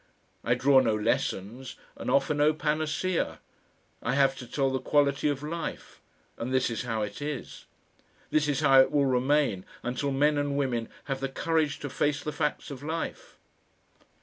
I draw no lessons and offer no panacea; I have to tell the quality of life, and this is how it is. This is how it will remain until men and women have the courage to face the facts of life.